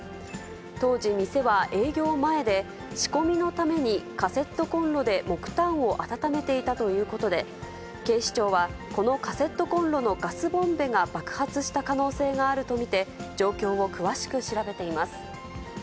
当時店は営業前で、仕込みのためにカセットコンロで木炭を温めていたということで、警視庁はこのカセットコンロのガスボンベが爆発した可能性があると見て、状況を詳しく調べています。